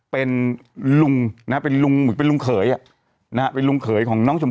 เป็นลุงเหย